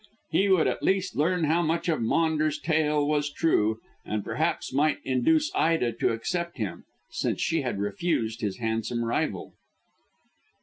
He would at least learn how much of Maunders' tale was true, and perhaps might induce Ida to accept him, since she had refused his handsome rival.